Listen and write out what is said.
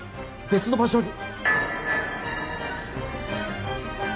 別の場所に。